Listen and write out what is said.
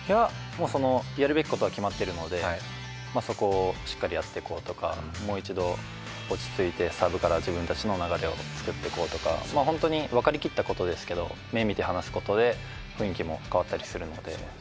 やるべきことは決まってるのでそこをしっかりやってこうとかもう一度、落ち着いてサーブから自分たちの流れを作っていこうとか本当に分かりきったことですけど目見て話すことで雰囲気も変わったりするので。